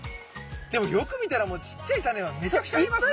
でもよく見たらちっちゃいタネはめちゃくちゃありますね！